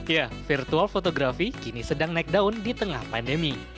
ya virtual fotografi kini sedang naik daun di tengah pandemi